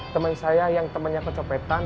teman saya yang temannya kecopetan